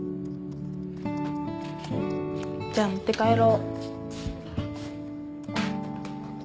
じゃあ持って帰ろ。